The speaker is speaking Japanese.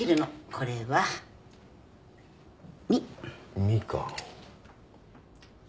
これは「み」「み」か。